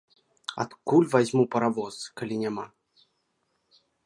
Адкуль вазьму паравоз, калі няма?